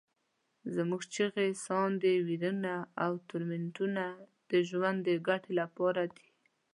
زموږ چیغې، ساندې، ویرونه او تورتمونه د ژوند د ګټې لپاره دي.